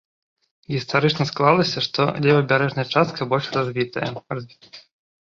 Гістарычна склалася, што левабярэжная частка больш развітая.